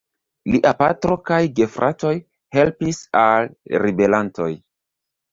Lia patro kaj gefratoj helpis al ribelantoj.